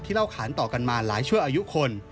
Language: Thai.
เล่าขานต่อกันมาหลายชั่วอายุคน